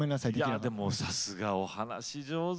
いやでもさすがお話上手！